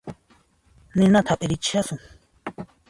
Ninata hap'irichishasun